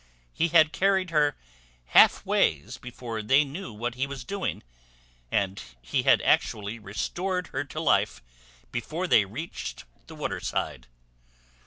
He had carried her half ways before they knew what he was doing, and he had actually restored her to life before they reached the waterside.